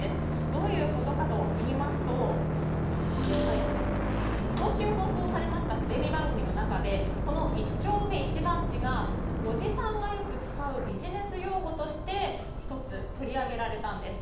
どういうことかといいますと今週放送されましたテレビ番組の中でこの一丁目一番地がおじさんがよく使うビジネス用語として１つ、取り上げられたんです。